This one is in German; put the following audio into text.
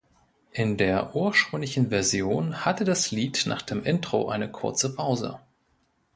In der ursprünglichen Version hatte das Lied nach dem Intro eine kurze Pause.